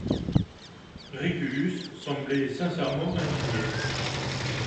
Régulus semblait sincèrement indigné.